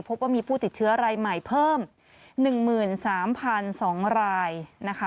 พบว่ามีผู้ติดเชื้อรายใหม่เพิ่ม๑๓๒รายนะคะ